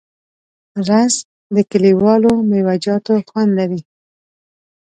رس د کلیوالو میوهجاتو خوند لري